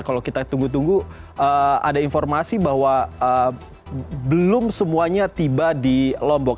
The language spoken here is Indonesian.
kalau kita tunggu tunggu ada informasi bahwa belum semuanya tiba di lombok